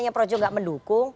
yang pak jokowi tidak mendukung